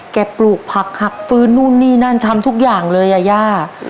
ปลูกผักหักฟื้นนู่นนี่นั่นทำทุกอย่างเลยอ่ะย่า